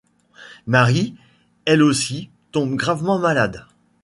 Marie, elle aussi, tombe gravement malade.